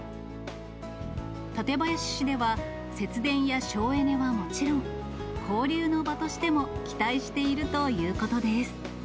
館林市では、節電や省エネはもちろん、交流の場としても期待しているということです。